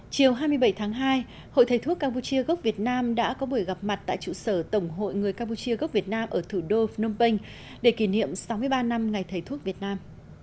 chiều hai mươi bảy tháng hai hội thầy thuốc campuchia gốc việt nam đã có buổi gặp mặt tại trụ sở tổng hội người campuchia gốc việt nam ở thủ đô phnom penh để kỷ niệm sáu mươi ba năm ngày thầy thuốc việt nam